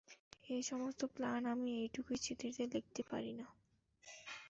এ সমস্ত প্ল্যান আমি এইটুকু চিঠিতে লিখতে পারি না।